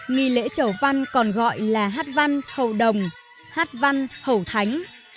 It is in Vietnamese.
nghi lễ chầu văn còn gọi là hát văn hậu đồng hát văn hậu thánh